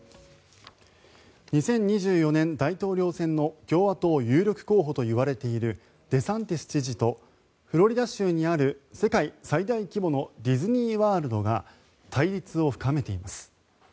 ２０２４年大統領選の共和党有力候補といわれているデサンティス知事とフロリダ州にある世界最大規模のディズニー・ワールドが対立を深めています。